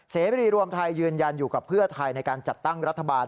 เสรีรวมไทยยืนยันอยู่กับเพื่อไทยในการจัดตั้งรัฐบาล